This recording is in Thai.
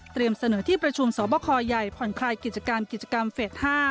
เสนอที่ประชุมสอบคอใหญ่ผ่อนคลายกิจการกิจกรรมเฟส๕